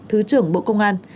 thứ trưởng bộ công an